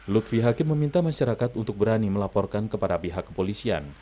lutfi hakim meminta masyarakat untuk berani melaporkan kepada pihak kepolisian